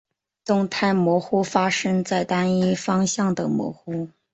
动态模糊发生在单一方向的模糊。